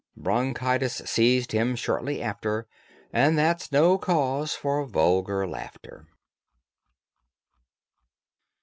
Bronchitis seized him shortly after, And that's no cause for vulgar laughter.